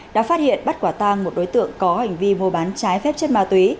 đã phát hiện bắt quả tang một đối tượng có hành vi mua bán trái phép chất ma túy